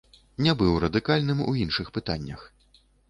Не быў радыкальным у іншых пытаннях.